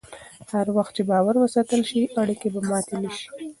هر وخت چې باور وساتل شي، اړیکې به ماتې نه شي.